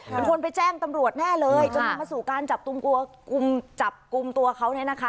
เป็นคนไปแจ้งตำรวจแน่เลยจนถึงมาสู่การจับกุมตัวเขาเนี่ยนะคะ